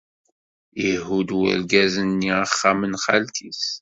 Ihudd urgaz-nni axxam n xalti-s.